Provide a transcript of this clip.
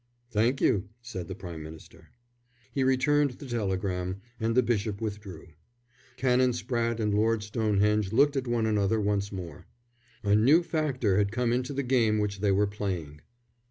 "Thank you," said the Prime Minister. He returned the telegram, and the bishop withdrew. Canon Spratte and Lord Stonehenge looked at one another once more. A new factor had come into the game which they were playing.